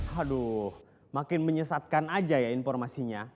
aduh makin menyesatkan aja ya informasinya